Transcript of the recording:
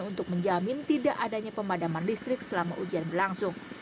untuk menjamin tidak adanya pemadaman listrik selama ujian berlangsung